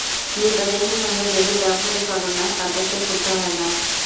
মৃতদেহের সঙ্গে যেরূপ ব্যবহারই কর না, তাতে সে ক্ষুব্ধ হয় না।